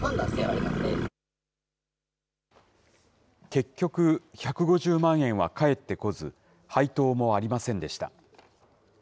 結局、１５０万円は返ってこず、配当もありませんでした。